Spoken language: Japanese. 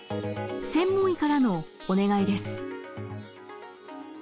専門医からのお願いです。